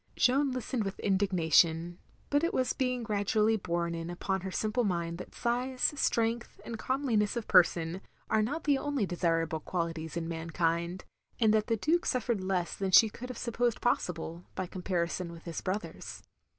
Jeanne listened with indignation; but it was being gradually borne in upon her simple mind that size, strength, and comeliness of person, are not the only desirable qualities in mankind; and that the Duke suffered less than she could have supposed possible, by comparison with his brothers.